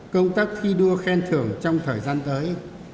công tác thi đua khen thưởng trong thời gian tới